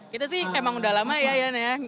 kita sih emang udah lama ya ya